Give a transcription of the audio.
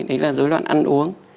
đấy là dối loạn ăn uống